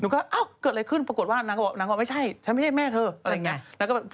ก็ถ้าเกิดเต็มสุดก็คือต้องมีห่างกระเบน